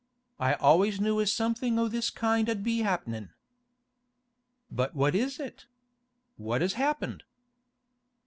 I always knew as something o' this kind 'ud be 'appenin'.' 'But what is it? What has happened?